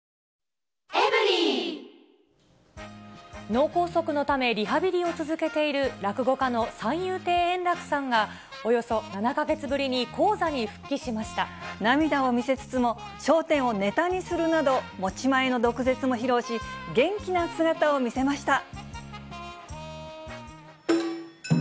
脳梗塞のため、リハビリを続けている落語家の三遊亭円楽さんが、およそ７か月ぶ涙を見せつつも、笑点をネタにするなど、持ち前の毒舌も披露し、元気な姿を見せました。